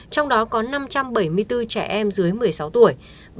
trong đó có năm trăm bảy mươi bốn trẻ em dưới một mươi sáu tuổi